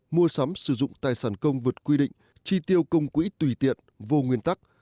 mua sắm sử dụng tài sản công vượt quy định chi tiêu công quỹ tùy tiện vô nguyên tắc